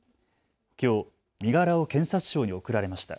きょう身柄を検察庁に送られました。